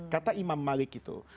kata imam malik itu